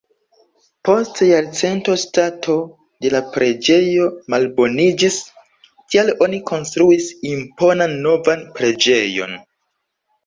Post jarcento stato de la preĝejo malboniĝis, tial oni konstruis imponan novan preĝejon.